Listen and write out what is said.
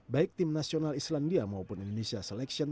baik tim nasional islandia maupun indonesia selection